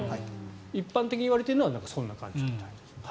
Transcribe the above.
一般的にいわれているのはそんな感じみたいです。